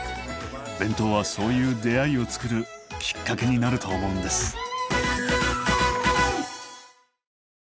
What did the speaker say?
弁当はそういう出会いをつくるきっかけになると思うんです。